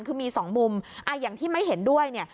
คือมีสองมุมอย่างที่ไม่เห็นด้วยเนี่ย